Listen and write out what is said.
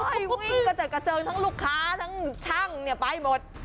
โอ้ยวิ่งกระเจิงทั้งลูกค้าทั้งช่างเนี่ยไปหมด